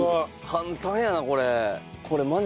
簡単やなこれ。